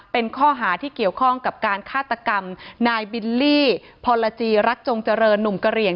เป็นข้อหาที่เกี่ยวข้องกับการฆาตกรรมนายบิลลี่พรจีรักจงเจริญหนุ่มกะเหลี่ยง